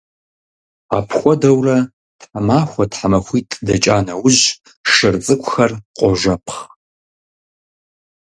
Апхуэдэурэ, тхьэмахуэ-тхьэмахуитӀ дэкӀа нэужь, шыр цӀыкӀухэр къожэпхъ.